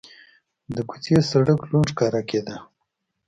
د کوڅې سړک لوند ښکاره کېده.